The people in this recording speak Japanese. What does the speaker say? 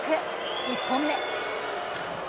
１本目。